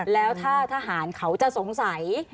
แล้วถ้าทหารเขาจะสงสัย